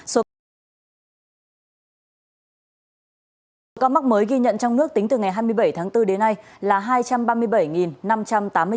số ca mắc mới ghi nhận trong nước tính từ ngày hai mươi bảy tháng bốn đến nay là hai trăm ba mươi bảy năm trăm tám mươi ca